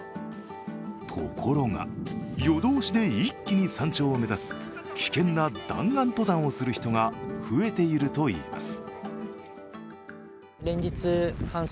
ところが、夜通しで一気に山頂を目指す危険な弾丸登山をする人が増えているといいます。